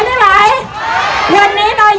โอเคโอเคโอเคโอเคโอเคโอเคโอเค